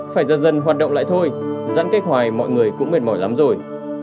phải dần dần hoạt động lại thôi giãn cách hoài mọi người cũng mệt mỏi lắm rồi